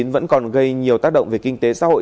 vẫn còn gây nhiều tác động về kinh tế xã hội